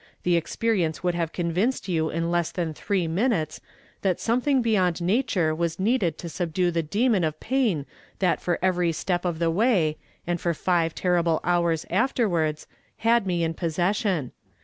The experience Avould have convinced you in less than three minutes that something 72 YESTERDAY FRAMED IN TO DAY. Hi beyond nature wtis needed to subdue the demon of pain tJiat for every step of the way, and for five terrible hours afterwards, liad me in possession.